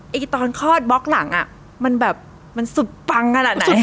ไอ้ตอนคลอดบ๊อกหลังอะมันแบบมันสุดปังกันอะไหน